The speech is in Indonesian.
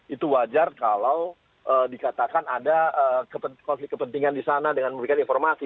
itu wajar kalau dikatakan ada konflik kepentingan di sana dengan memberikan informasi